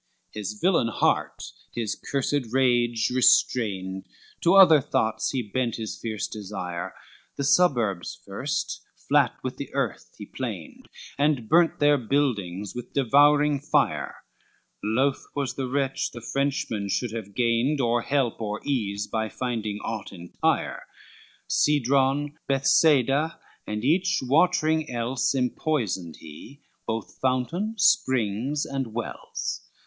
LXXXIX His villain heart his cursed rage restrained, To other thoughts he bent his fierce desire, The suburbs first flat with the earth he plained, And burnt their buildings with devouring fire, Loth was the wretch the Frenchman should have gained Or help or ease, by finding aught entire, Cedron, Bethsaida, and each watering else Empoisoned he, both fountains, springs, and wells.